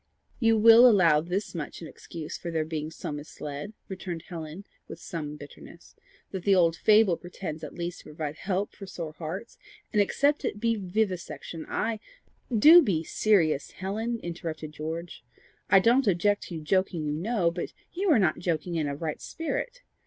"You will allow this much in excuse for their being so misled," returned Helen, with some bitterness, "that the old fable pretends at least to provide help for sore hearts; and except it be vivisection, I " "Do be serious, Helen," interrupted George. "I don't object to joking, you know, but you are not joking in a right spirit.